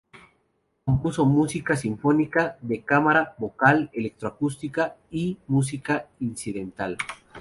Compuso música sinfónica, de cámara, vocal, electroacústica y música incidental.